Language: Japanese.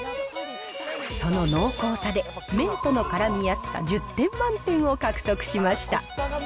その濃厚さで麺とのからみやすさ１０点満点を獲得しました。